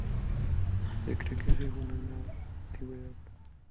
Se cree que se fundó ya en la antigüedad.